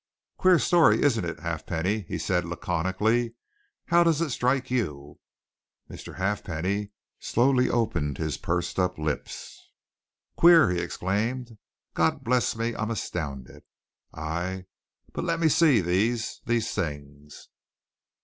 "Queer story, isn't it, Halfpenny?" he said laconically. "How does it strike you?" Mr. Halfpenny slowly opened his pursed up lips. "Queer?" he exclaimed. "God bless me! I'm astounded! I but let me see these these things."